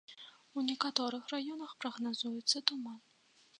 У некаторых раёнах прагназуецца туман.